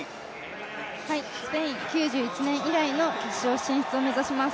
９１年以来の決勝進出を目指します。